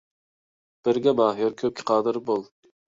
بىرگە ماھىر كۆپكە قادىر بول.